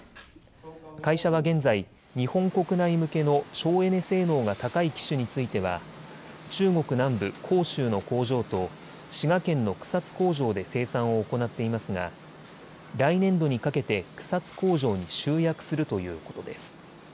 会社は現在、日本国内向けの省エネ性能が高い機種については中国南部、広州の工場と滋賀県の草津工場で生産を行っていますが来年度にかけて草津工場に集約するということです。